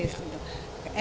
ada berapa ribu hektare